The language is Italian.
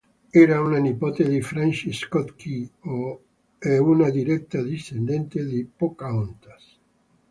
Era una nipote di Francis Scott Key e una diretta discendente di Pocahontas.